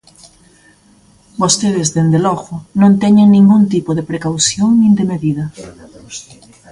Vostedes, dende logo, non teñen ningún tipo de precaución nin de medida.